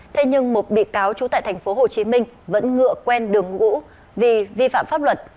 thế nhưng một bị cáo trú tại tp hcm vẫn ngựa quen đường ngũ vì vi phạm pháp luật